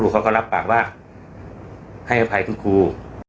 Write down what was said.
เขาก็รับปากว่าให้อภัยคุณครู